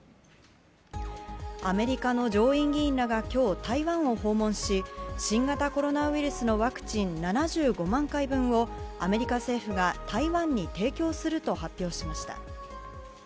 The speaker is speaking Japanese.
アメリカの上院議員らが今日、台湾を訪問し新型コロナウイルスのワクチン７５万回分をアメリカ政府が台湾に提供すると発表しました。